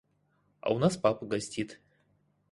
А у нас папа гостит.